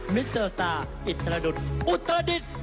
มิสเตอร์สตาร์อิตรดุดอุดเตอร์ดิท